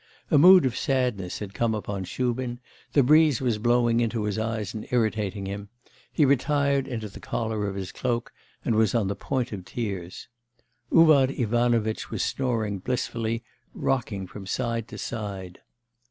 A mood of sadness had come upon Shubin; the breeze was blowing into his eyes and irritating him; he retired into the collar of his cloak and was on the point of tears. Uvar Ivanovitch was snoring blissfully, rocking from side to side.